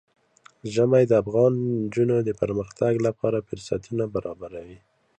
ژمی د افغان نجونو د پرمختګ لپاره فرصتونه برابروي.